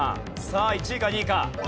さあ１位か２位か？